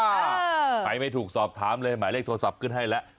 ใครไม่ถูกสอบถามเลยหมายเลขโทรศัพท์ขึ้นให้แล้ว